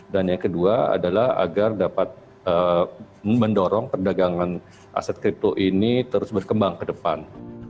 yang kedua adalah agar dapat mendorong perdagangan aset kripto ini terus berkembang ke depan